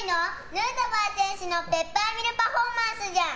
ヌートバー選手のペッパーミルパフォーマンスじゃん。